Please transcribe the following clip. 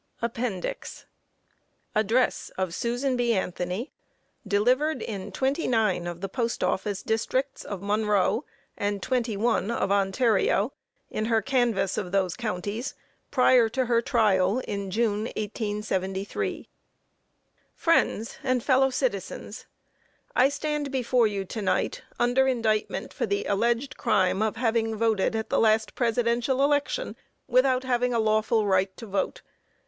APPENDIX. ADDRESS OF SUSAN B. ANTHONY, Delivered in twenty nine of the Post Office Districts of Monroe, and twenty one of Ontario, in her canvass of those Counties, prior to her trial in June, 1873. Friends and Fellow citizens: I stand before you to night, under indictment for the alleged crime of having voted at the last Presidential election, without having a lawful right to vote.